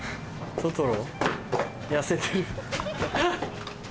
トトロ！